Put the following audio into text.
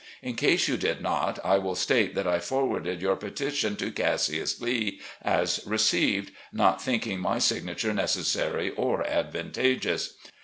In case you did not, I will state that I forwarded your petition to Cassius Lee as received, not thinking my signature necessary or advantageous.